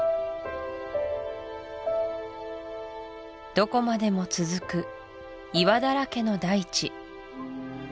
どこまでも続く岩だらけの大地